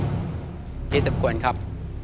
พ่อสนอเลือกตอบตัวเลือกที่๒คือแป้งมันครับ